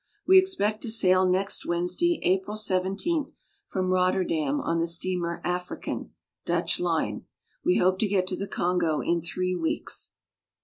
We expect to sail next Wednesday, April 17, from Rotterdam on the steamer African, Dutch line. We hope to get to the Congo in three weeks."